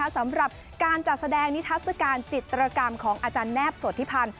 สำหรับการจัดแสดงนิทัศกาลจิตรกรรมของอาจารย์แนบโสธิพันธ์